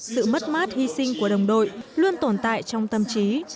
sự mất mát hy sinh của đồng đội luôn tồn tại trong tâm trí